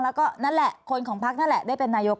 แล้วก็นั่นแหละคนของพักนั่นแหละได้เป็นนายก